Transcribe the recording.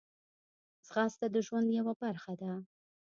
ځغاسته د ژوند یوه برخه ده